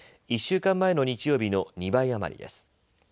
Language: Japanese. １週間前の日曜日の２倍余りです。